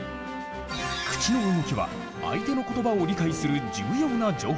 口の動きは相手の言葉を理解する重要な情報。